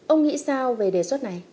ông nghĩ sao về đề xuất này